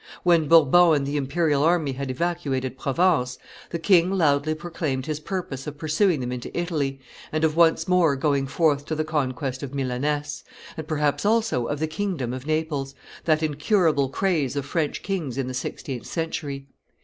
When Bourbon and the imperial army had evacuated Provence, the king loudly proclaimed his purpose of pursuing them into Italy, and of once more going forth to the conquest of Milaness, and perhaps also of the kingdom of Naples, that incurable craze of French kings in the sixteenth century.